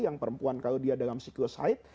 yang perempuan kalau dia dalam siklus haid